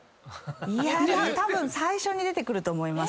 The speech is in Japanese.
いや最初に出てくると思います。